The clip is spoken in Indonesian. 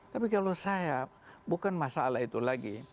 tapi kalau saya bukan masalah itu lagi